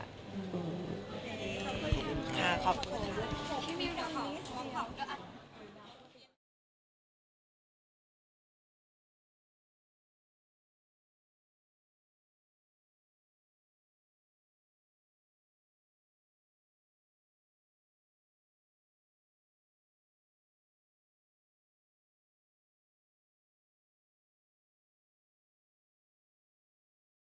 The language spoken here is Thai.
โอเคขอบคุณค่ะ